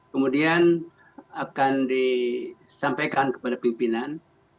kemudian akan disampaikan kepada pimpinan